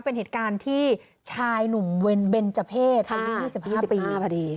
เป็นเหตุการณ์ที่ชายหนุ่มเวรเบนเจอร์เพศอายุ๒๕ปีพอดี